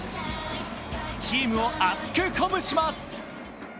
チームを熱く鼓舞します。